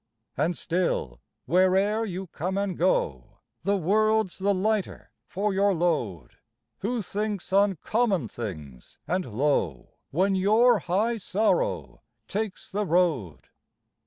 And still where'er you come and go The world's the lighter for your load. Who thinks on common things and low When your high sorrow takes the road